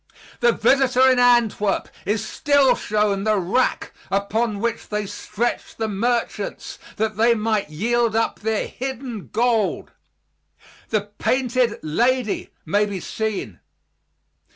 The visitor in Antwerp is still shown the rack upon which they stretched the merchants that they might yield up their hidden gold. The Painted Lady may be seen.